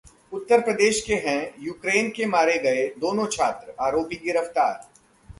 उत्तर प्रदेश के हैं यूक्रेन में मारे गए दोनों छात्र, आरोपी गिरफ्तार